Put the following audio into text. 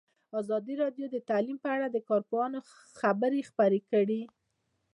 ازادي راډیو د تعلیم په اړه د کارپوهانو خبرې خپرې کړي.